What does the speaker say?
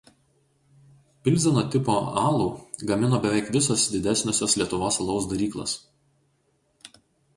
Pilzeno tipo alų gamino beveik visos didesniosios Lietuvos alaus daryklos.